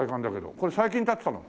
これ最近建てたの？